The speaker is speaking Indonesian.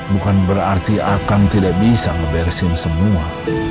bukan berarti akang tidak bisa ngebersin semua